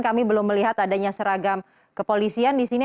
kami belum melihat adanya seragam kepolisian di sini